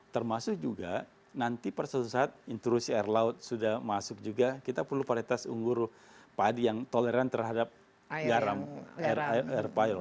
termasuk juga nanti pada suatu saat intrusi air laut sudah masuk juga kita perlu varietas unggur padi yang toleran terhadap garam air pilo